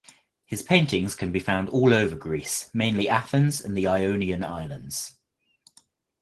His paintings can be found all over Greece mainly Athens and the Ionian Islands.